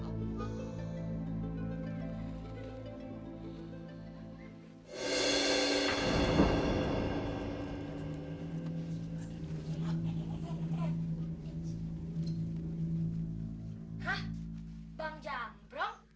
hah bang jangbrong